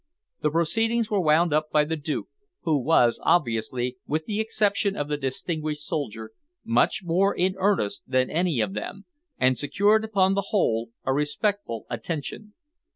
The proceedings were wound up by the Duke, who was obviously, with the exception of the distinguished soldier, much more in earnest than any of them, and secured upon the whole a respectful attention.